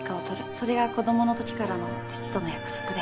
それが子供の時からの父との約束で。